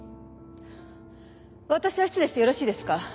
私は失礼してよろしいですか？